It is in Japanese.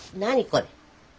これ。